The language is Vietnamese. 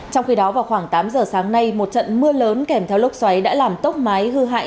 trong khi đó vào khoảng tám giờ sáng nay một trận mưa lớn kèm theo lốc xoáy đã làm tốc mái hư hại